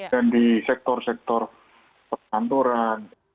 dan di sektor sektor pertantoran